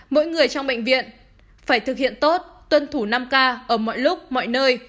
mỗi người trong bệnh viện phải thực hiện tốt tuân thủ năm k ở mọi lúc mọi nơi